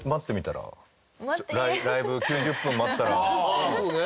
ああそうね。